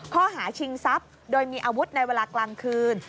ข้อหาชิงทรัพย์โดยมีอาวุธในเวลากลางคืน